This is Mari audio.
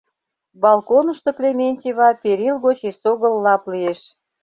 Балконышто Клементьева перил гоч эсогыл лап лиеш.